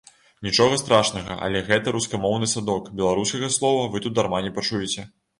Нічога страшнага, але гэта рускамоўны садок, беларускага слова вы тут дарма не пачуеце.